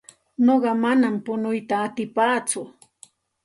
Nuqa manam punuyta atipaatsu.